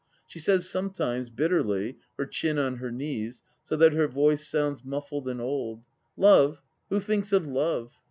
She says some times, bitterly, her chin on her knees, so that her voice sounds muffled and old :" Love, who thinks of Love